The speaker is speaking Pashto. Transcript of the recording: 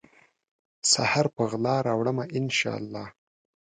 سحر په غلا راوړمه ، ان شا الله